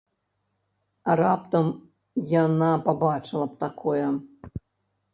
А раптам яна пабачыла б такое?